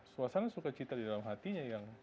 suasana suka cita di dalam hatinya yang